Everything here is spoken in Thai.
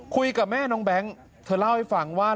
คุยกับแม่น้องแบงค์เธอเล่าให้ฟังว่า